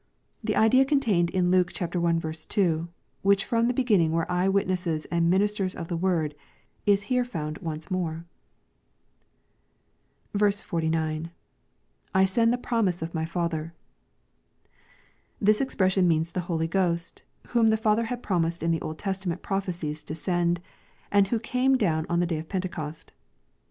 The idea contained in Luke i. 2, * which firom the beginning were eye witnesses and ministers of the word,* is here found once more." 49. — [I send the promise of my Father.] This expression means the Holy Ghost, whom the Father had promised in the Old Testament prophecies to send, and who came down on the day of Pentecost.